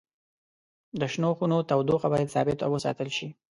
د شنو خونو تودوخه باید ثابت وساتل شي.